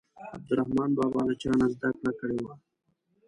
عبدالرحمان بابا له چا نه زده کړه کړې وه.